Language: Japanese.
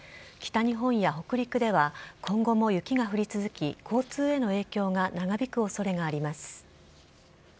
北日本や北陸では、今後も雪が降り続き、交通への影響が長引くおそれがあります。